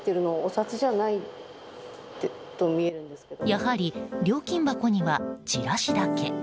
やはり、料金箱にはチラシだけ。